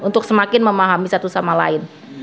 untuk semakin memahami satu sama lain